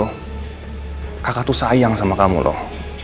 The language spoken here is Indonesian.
kalau begitu kakak tuh sayang sama kamu loh